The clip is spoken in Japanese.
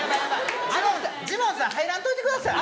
ジモンさん入らんといてください。